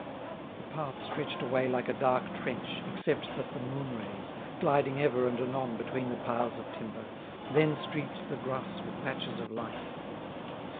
The path stretched away like a dark trench, except that the moonrays, gliding ever and anon between the piles of timber, then streaked the grass with patches of light.